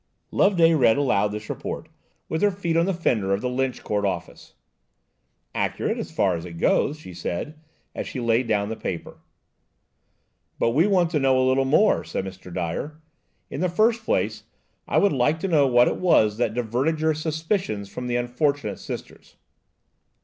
Loveday read aloud this report, with her feet on the fender of the Lynch Court office. "Accurate, as far as it goes," she said, as she laid down the paper. "But we want to know a little more," said Mr. Dyer. "In the first place, I would like to know what it was that diverted your suspicions from the unfortunate Sisters?"